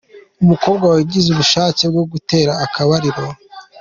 Umukobwa wagize ubushake bwo gutera akabariro.